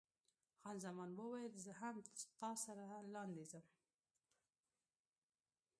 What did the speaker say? خان زمان وویل، زه هم ستا سره لاندې ځم.